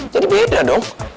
jadi beda dong